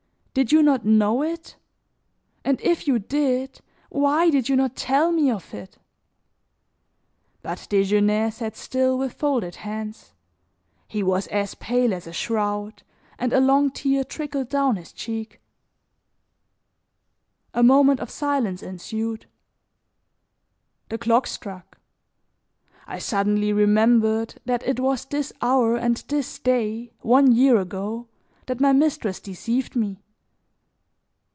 Did you not know it? And if you did, why did you not tell me of it?" But Desgenais sat still with folded hands; he was as pale as a shroud and a long tear trickled down his cheek. A moment of silence ensued. The clock struck; I suddenly remembered that it was this hour and this day, one year ago, that my mistress deceived me.